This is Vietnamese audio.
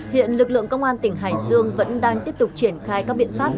hiện lực lượng công an tỉnh hải dương vẫn đang tiếp tục triển khai các biện pháp